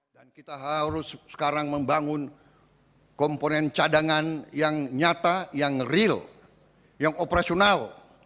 dan kita harus sekarang membangun komponen cadangan yang nyata yang real yang operasional